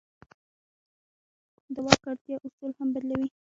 د واک اړتیا اصول هم بدلوي.